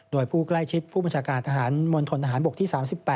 โดยผู้ใกล้ชิดผู้บัญชาการทหารมณฑนทหารบกที่๓๘